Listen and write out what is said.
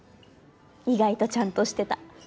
意外とちゃんとしてた。